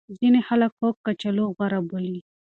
ځینې خلک خوږ کچالو غوره بولي.